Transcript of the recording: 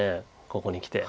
ここにきて。